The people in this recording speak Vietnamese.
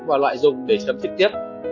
và loại dùng để chấm trực tiếp